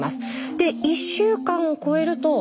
で１週間を超えると。